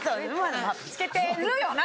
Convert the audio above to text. つけてるよな！